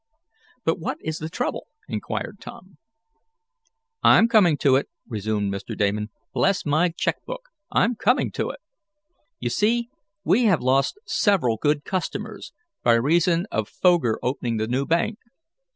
"But what is the trouble?" inquired Tom. "I'm coming to it," resumed Mr. Damon. "Bless my check book, I'm coming to it! You see we have lost several good customers, by reason of Foger opening the new bank.